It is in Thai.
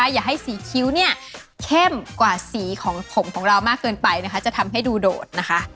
อย่าให้สีขิ้วเข้มกว่าสีของผมของเรามากเกินไปนะจะทำให้ดูโดด